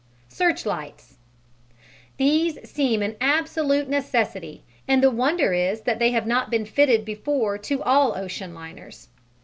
Searchlights These seem an absolute necessity, and the wonder is that they have not been fitted before to all ocean liners.